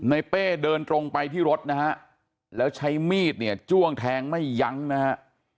เป้เดินตรงไปที่รถนะฮะแล้วใช้มีดเนี่ยจ้วงแทงไม่ยั้งนะฮะ